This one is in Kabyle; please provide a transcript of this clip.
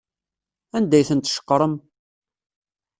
Anda ay ten-tceqrem?